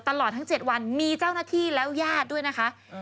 ตลอดทั้ง๗วันมีเจ้าหน้าที่แล้วญาติด้วยนะคะ